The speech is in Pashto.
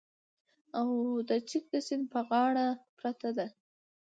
او د چک د سیند په غاړه پرته ده